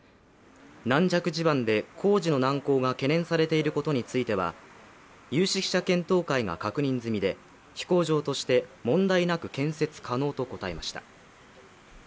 軟弱地盤で工事の難航が懸念されていることについては、有識者検討会が確認済みで飛行場として問題なく建設可能と答えました。